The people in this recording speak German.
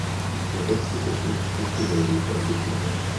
Der rechtliche Schutz ist in Europa lückenhaft.